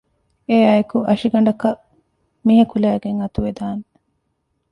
އެއާއިއެކު އަށިގަނޑަކަށް މީހަކު ލައިގެން އަތުވެދާނެ